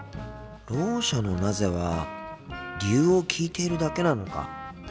ろう者の「なぜ？」は理由を聞いているだけなのか。